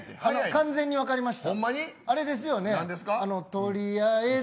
完全に分かりました。